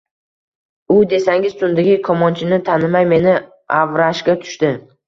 U desangiz, tundagi kamonchini tanimay, meni avrashga tushdi: